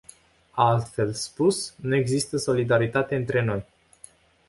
Altfel spus, nu există solidaritate între noi.